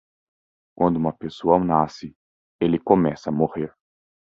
Quando uma pessoa nasce, ele começa a morrer.